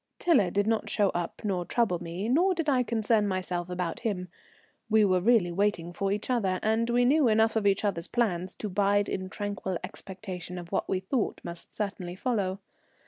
Tiler did not show up nor trouble me, nor did I concern myself about him. We were really waiting for each other, and we knew enough of each other's plans to bide in tranquil expectation of what we thought must certainly follow.